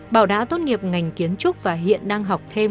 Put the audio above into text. bảo đã tốt nghiệp ngành kiến trúc và hiện đang học thêm